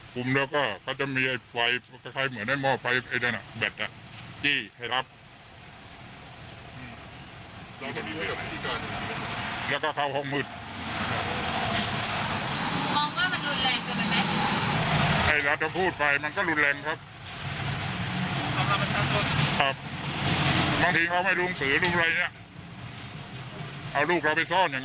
ลุงบากข้าดท้ายผ้าขนแล้วก็แตกปครับเขาจะคุมก็มีไฟพอไขมันนะมองไฟตัวทั้งเดียวน่ะปายกล้าได้แล้ว